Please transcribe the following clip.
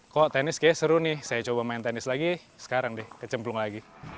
kok tenis kayaknya seru nih saya coba main tenis lagi sekarang deh kecemplung lagi